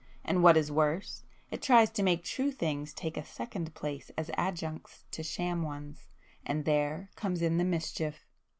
And what is worse it tries to make true things take a second place as adjuncts to sham ones,—and there comes in the mischief."